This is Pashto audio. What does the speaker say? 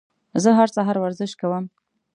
زه هر سهار ورزش کوم.